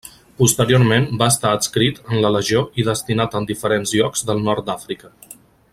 Posteriorment va estar adscrit en la Legió i destinat en diferents llocs del nord d'Àfrica.